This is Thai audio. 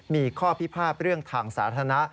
มีข้อพิพาทเรื่องทางสาธารณะ